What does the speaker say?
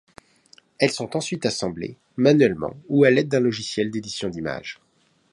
Elles sont ensuite assemblées, manuellement ou à l'aide d'un logiciel d'édition d'images.